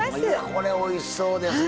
これおいしそうですね。